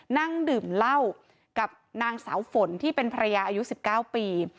นั่งดื่มเหล้ากับนางสาวฝนที่เป็นภรรยาอายุ๑๙ปี